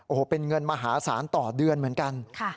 โอ้โหเป็นเงินมหาศาลต่อเดือนเหมือนกัน